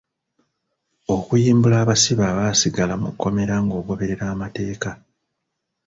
Okuyimbula abasibe abaasigala mu kkomera ng’ogoberera amateeka.